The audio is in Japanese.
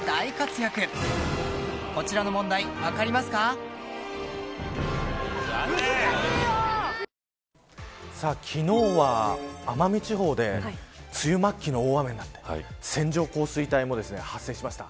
新「グリーンズフリー」昨日は奄美地方で梅雨末期の大雨になって線状降水帯も発生しました。